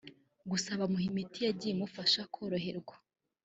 gusa bamuha imiti yagiye imufasha koroherwa